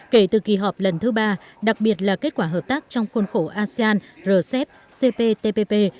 kể từ kỳ họp lần thứ ba đặc biệt là kết quả hợp tác trong khuôn khổ asean rcep cptpp